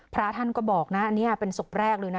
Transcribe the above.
พระท่านก็บอกนะอันนี้เป็นศพแรกเลยนะ